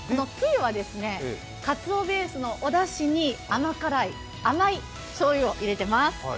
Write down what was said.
つゆはかつおベースのおだしに甘辛いしょうゆを入れています。